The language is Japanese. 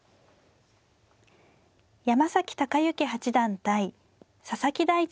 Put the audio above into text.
山崎隆之八段対佐々木大地